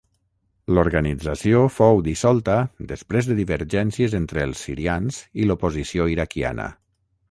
L'organització fou dissolta després de divergències entre els sirians i l'oposició iraquiana.